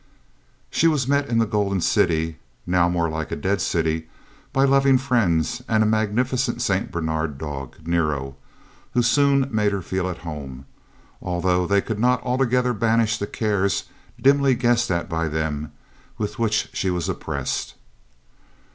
She was met in the Golden City, now more like a Dead City, by loving friends and a magnificent St. Bernard dog, Nero, who soon made her feel at home, although they could not altogether banish the cares, dimly guessed at by them, with which she was oppressed.